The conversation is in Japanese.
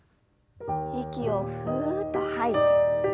息をふっと吐いて。